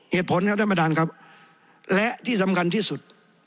เหตุผลครับท่านประธานครับและที่สำคัญที่สุด